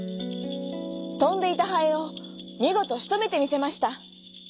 とんでいたハエをみごとしとめてみせました。